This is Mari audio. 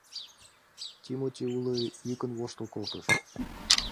Тимоти уло йӱкын воштыл колтыш.